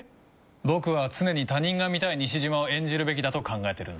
僕は常に他人が見たい西島を演じるべきだと考えてるんだ。